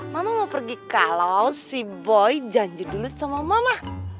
mama mau pergi kalau si boy janji dulu sama mama